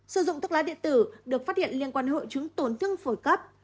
sử dụng thuốc lá điện tử được phát hiện liên quan hội chứng tổn thương phổi cấp